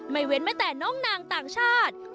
เว้นไม่แต่น้องนางต่างชาติ